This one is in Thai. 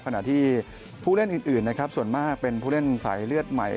ขณะที่ผู้เล่นอื่นนะครับส่วนมากเป็นผู้เล่นสายเลือดใหม่